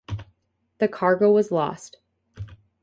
The cargo was lost.